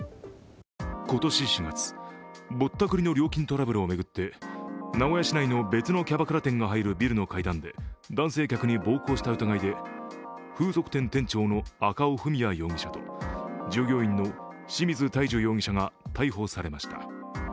今年４月、ぼったくりの料金トラブルを巡って名古屋市内の別のキャバクラ店が入るビルの階段で男性客に暴行した疑いで風俗店店長の赤尾郁哉容疑者と、従業員の清水泰樹容疑者が逮捕されました。